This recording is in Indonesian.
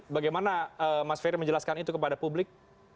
bagaimana mas ferry menjelaskan itu kepada publik